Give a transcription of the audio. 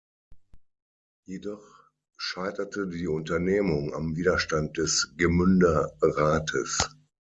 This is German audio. Jedoch scheiterte die Unternehmung am Widerstand des Gmünder Rates.